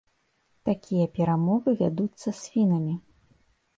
Такія перамовы вядуцца з фінамі.